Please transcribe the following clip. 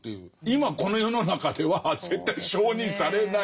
今この世の中では絶対承認されない。